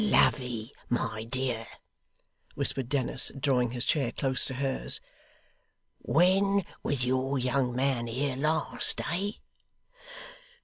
'Lovey, my dear,' whispered Dennis, drawing his chair close to hers. 'When was your young man here last, eh?